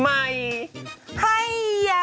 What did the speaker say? ข้าวใจไทยสดใหม่ใหี่ะค่ะ